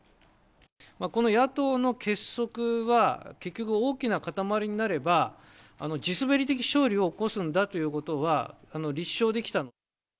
この野党の結束は、結局大きな塊になれば、地滑り的勝利を起こすんだということは立証できた。